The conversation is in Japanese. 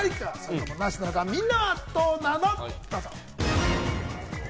みんなはどうなの？